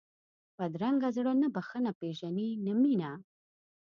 بدرنګه زړه نه بښنه پېژني نه مینه